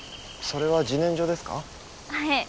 それは自然薯ですか？